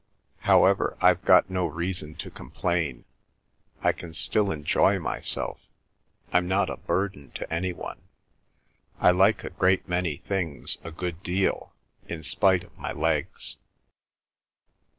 However, I've got no reason to complain. ... I can still enjoy myself. I'm not a burden to any one. ... I like a great many things a good deal, in spite of my legs."